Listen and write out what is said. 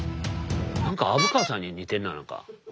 何か虻川さんに似てるな何か北陽の。